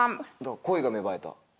恋が芽生え。